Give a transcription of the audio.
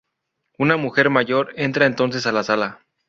Una mujer mayor entra entonces a la sala.